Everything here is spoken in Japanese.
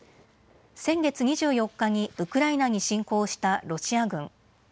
先月２４日にウクライナに侵攻したロシア軍。